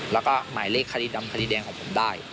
แล้วก็หมายเลขคดีดำคดีแดงของผมได้